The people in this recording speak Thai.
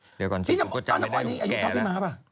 เดี๋ยวก่อนชิบก็จะไม่ได้ยุ่งแก่แล้ว